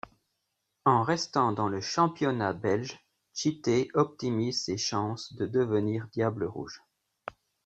En restant dans le championnat belge, Tchité optimise ses chances de devenir diable rouge.